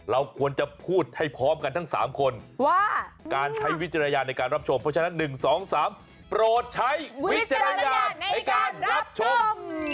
เราควรจะพูดให้พร้อมกันทั้ง๓คนว่าการใช้วิจารณญาณในการรับชมเพราะฉะนั้น๑๒๓โปรดใช้วิจารณญาณในการรับชม